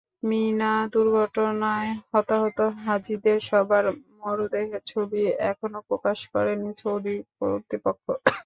মিনা দুর্ঘটনায় হতাহত হাজিদের সবার মরদেহের ছবি এখনো প্রকাশ করেনি সৌদি কর্তৃপক্ষ।